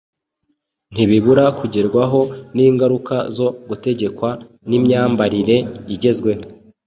ntibibura kugerwaho n’ingaruka zo gutegekwa n’imyambarire igezweho.